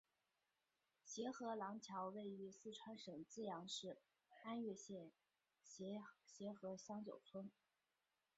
协和廊桥位于四川省资阳市安岳县协和乡九村。